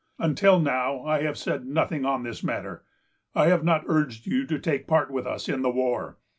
Until now I have said nothing on this matter. I have not urged you to take part with us in the war.